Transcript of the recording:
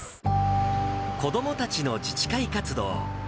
子どもたちの自治会活動。